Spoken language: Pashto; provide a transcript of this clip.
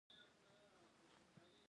زه هره ورځ لږ ورزش کوم.